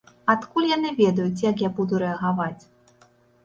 Адкуль яны ведаюць, як я буду рэагаваць?!